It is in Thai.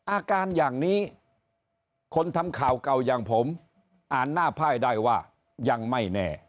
อาการอย่างนี้คนทำข่าวเก่าอย่างผมอ่านหน้าพ่ายได้ว่ายังไม่แน่